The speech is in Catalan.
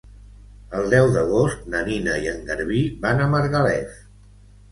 El deu d'agost na Nina i en Garbí van a Margalef.